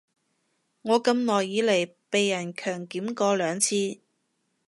我咁耐以來被人強檢過兩次